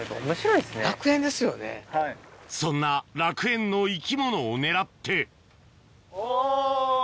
そんな楽園の生き物を狙ってお！